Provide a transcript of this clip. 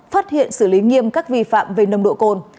phát hiện xử lý nghiêm các vi phạm về nồng độ cồn